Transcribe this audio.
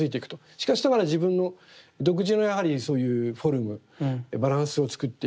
しかしながら自分の独自のやはりそういうフォルムバランスをつくっていく。